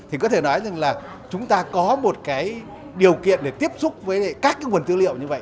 thì có thể nói rằng là chúng ta có một cái điều kiện để tiếp xúc với các cái nguồn tư liệu như vậy